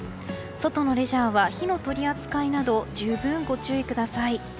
外のレジャーは火の取り扱いなど十分ご注意ください。